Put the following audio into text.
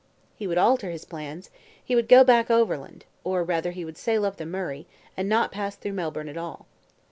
He would alter his plans: he would go back overland; or, rather, he would sail up the Murray, and not pass through Melbourne at all.